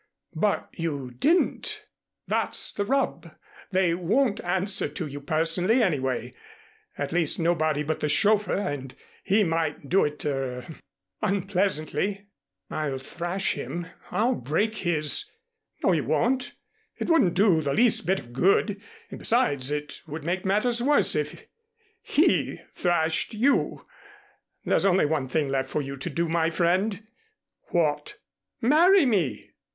"But you didn't that's the rub. They won't answer to you personally anyway, at least nobody but the chauffeur, and he might do it er unpleasantly." "I'll thrash him I'll break his " "No, you won't. It wouldn't do the least bit of good, and besides it would make matters worse if he thrashed you. There's only one thing left for you to do, my friend." "What?" "Marry me!"